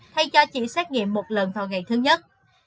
thay cho chỉ xét nghiệm một lần vào ngày thứ nhất